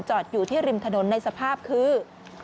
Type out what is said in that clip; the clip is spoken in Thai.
อยู่ที่ริมถนนในสภาพคือ